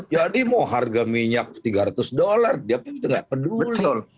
jadi mau harga minyak tiga ratus dolar dia itu tidak peduli